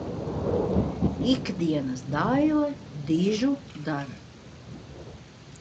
Ikdienas daile dižu dara.